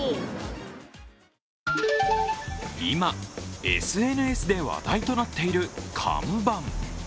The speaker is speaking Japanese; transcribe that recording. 今、ＳＮＳで話題となっている看板。